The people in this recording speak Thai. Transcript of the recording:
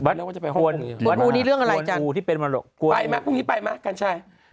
วัดกวนฮูนนี่เรื่องอะไรจ้ะ